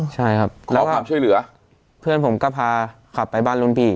ใช่ครับขอความช่วยเหลือเพื่อนผมก็พาขับไปบ้านรุ่นพี่